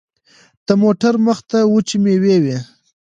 د موټر مخته وچې مېوې وې.